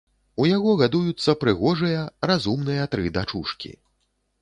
У яго гадуюцца прыгожыя, разумныя тры дачушкі.